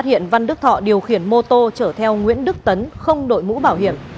phát hiện văn đức thọ điều khiển mô tô chở theo nguyễn đức tấn không đội mũ bảo hiểm